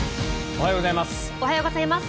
おはようございます。